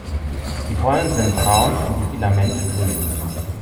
Die Pollen sind braun und die Filamente grün.